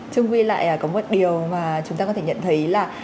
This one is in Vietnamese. trung huy lại có một điều mà chúng ta có thể nhận thấy là